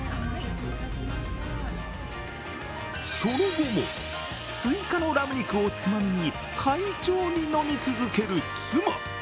その後も追加のラム肉をつまみに、快調に飲み続ける妻。